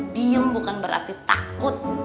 diam bukan berarti takut